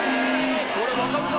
これわかるか！